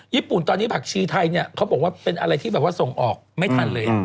ญี่ปุ่นตอนนี้ผักชีไทยเนี่ยเขาบอกว่าเป็นอะไรที่แบบว่าส่งออกไม่ทันเลย